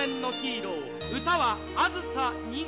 歌は『あずさ２号』。